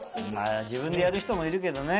自分でやる人もいるけどね。